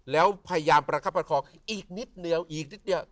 แล้วพยายามประคับประคองอีกนิดนิดอีกนิดนิด